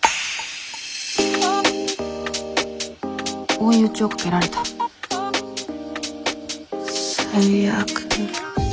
追い打ちをかけられた最悪。